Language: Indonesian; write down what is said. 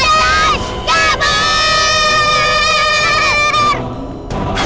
manusia berkembang bahasa jcampong